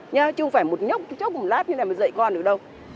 nha chứ không phải một nhóc chốc một lát như thế này mới dạy con được đâu